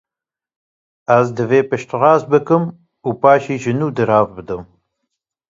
Ez divê pişt rast bikim û paşî ji nû dirav bidim.